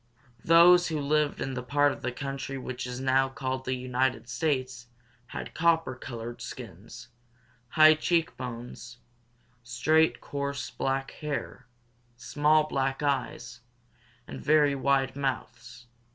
Those who lived in the part of the country which is now called the United States had copper colored skins, high cheek bones, straight, coarse black hair, small black eyes, and very wide mouths.